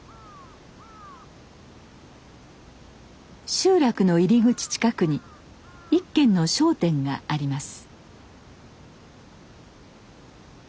集落の入り口近くに一軒の商店があります。